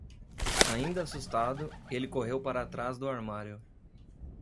Ainda assustado, ele correu para atrás do armário.